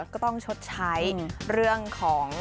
ก็ต้องชดใช้เรื่องของ